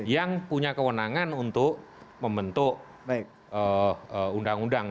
yang punya kewenangan untuk membentuk undang undang